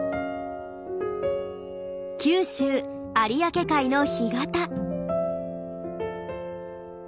九州有明海の干潟。